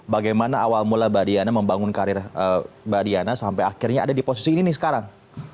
bagaimana awal mula mbak diana membangun karir mbak diana sampai akhirnya ada di posisi ini nih sekarang